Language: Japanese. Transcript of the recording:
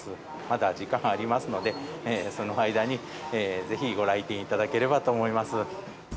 まだ時間ありますので、その間にぜひご来店いただければと思います。